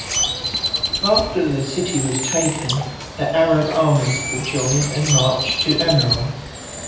After the city was taken, the Arab armies would join and march to Amorion.